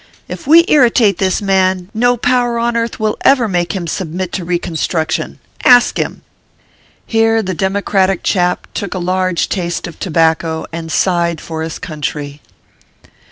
If we irritate this man, no power on earth will ever make him submit to reconstruction. Ask him." Here the democratic chap took a large taste of to bacco, and sighed for his country. ORPHEUS C.